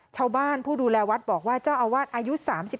ชาวบ้านผู้ดูแลวัดบอกว่าเจ้าอาวาสอายุ๓๓